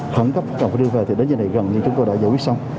khẩn cấp cần phải đưa về thì đến giờ này gần như chúng tôi đã giải quyết xong